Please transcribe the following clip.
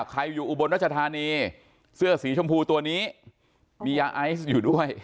ใครอยู่อุบลรัชธานีเสื้อสีชมพูตัวนี้มียาไอซ์อยู่ด้วย